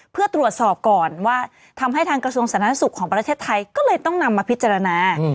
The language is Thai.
เพื่อตรวจสอบก่อนว่าทำให้ทางกระทรวงสาธารณสุขของประเทศไทยก็เลยต้องนำมาพิจารณา